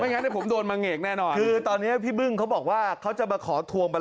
ไม่งั้นแต่ผมโดนมาเหงกแน่นอนคือตอนนี้พี่บึ้งเขาบอกว่าเขาจะมาขอทวงระหลังคืน